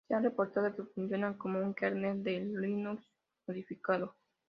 Se ha reportado que funcionará con un kernel de Linux modificado.